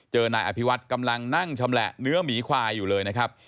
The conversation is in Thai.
นายอภิวัฒน์กำลังนั่งชำแหละเนื้อหมีควายอยู่เลยนะครับ